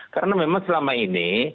karena memang selama ini